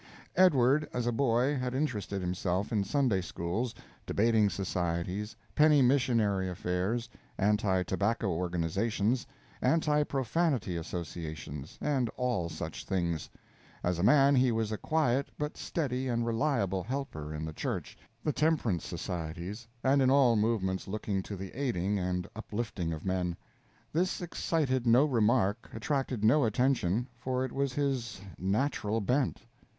Edward, as a boy, had interested himself in Sunday schools, debating societies, penny missionary affairs, anti tobacco organizations, anti profanity associations, and all such things; as a man, he was a quiet but steady and reliable helper in the church, the temperance societies, and in all movements looking to the aiding and uplifting of men. This excited no remark, attracted no attention for it was his "natural bent."